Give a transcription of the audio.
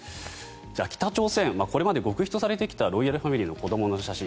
じゃあ北朝鮮これまで極秘とされてきたロイヤルファミリーの子どもの写真